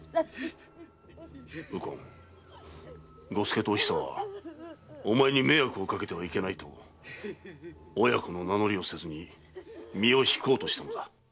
右近伍助とおひさはお前に迷惑をかけてはいけないと親子の名乗りをせずに身を引こうとしたのだ。